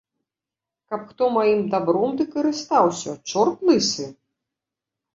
Каб хто маім дабром ды карыстаўся, чорт лысы?